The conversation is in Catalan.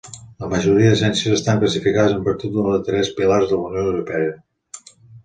La majoria d'agències estan classificades en virtut dels tres pilars de la Unió Europea.